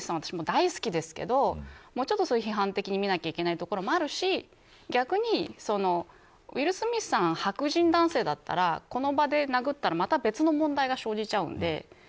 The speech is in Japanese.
私も大好きですけどもうちょっと批判的に見ないといけないところもあるし逆に、ウィル・スミスさんが白人男性だったらこの場で殴ったらまた別の問題が生じちゃうので。